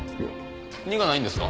苦ないんですか？